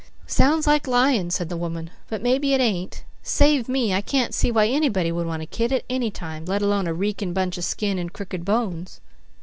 "Sounds like lying," said the woman, "but mebby it ain't. Save me, I can't see why anybody would want a kid at any time, let alone a reekin' bunch of skin and crooked bones."